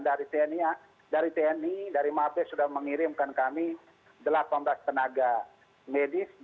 dan dari tni dari mapes sudah mengirimkan kami delapan belas tenaga medis